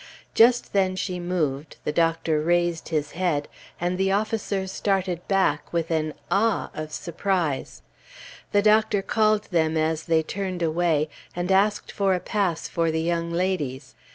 Just then she moved, the Doctor raised his head, and the officers started back with an "Ah!" of surprise. The Doctor called them as they turned away, and asked for a pass for the young ladies.